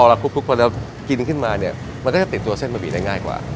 พอเราคุกคุกพอเรากินขึ้นมาเนี่ยมันก็จะติดตัวเส้นปะหมี่ได้ง่ายกว่า